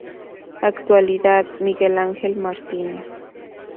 Actualidad: Miguel Ángel Martínez